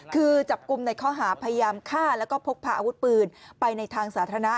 คือจับกลุ่มในข้อหาพยายามฆ่าแล้วก็พกพาอาวุธปืนไปในทางสาธารณะ